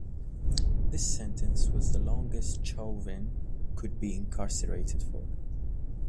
This sentence was the longest Chauvin could be incarcerated for.